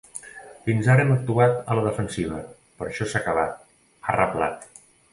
Fins ara hem actuat a la defensiva, però això s’ha acabat, ha reblat.